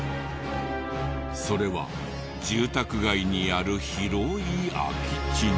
それは住宅街にある広い空き地に。